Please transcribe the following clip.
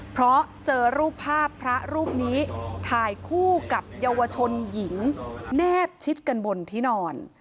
เพราะเจอรูปภาพพระรูปนี้ถ่ายคู่กับเยาวชนหญิงแนบชิดกันบนที่นอน